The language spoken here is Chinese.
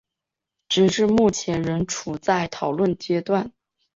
直至目前仍处在讨论阶段。